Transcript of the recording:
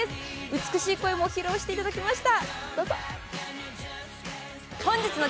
美しい声も披露していただきました。